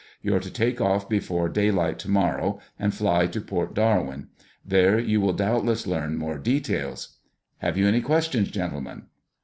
You're to take off before daylight tomorrow and fly to Port Darwin. There you will doubtless learn more details. Have you any questions, gentlemen?